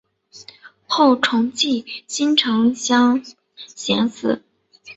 后崇祀新城乡贤祠。